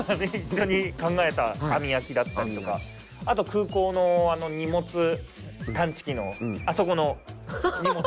一緒に考えたＡＭＩＹＡＫＩだったりとかあと空港の荷物探知機のあそこの荷物。